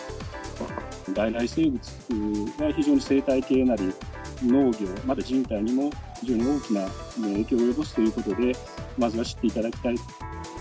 外来生物が非常に生態系なり、農業、また人体にも、非常に大きな影響を及ぼすということで、まずは知っていただきたい。